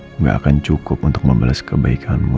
tidak akan cukup untuk membalas kebaikanmu